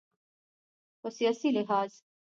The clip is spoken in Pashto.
په سیاسي لحاظ